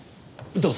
どうぞ。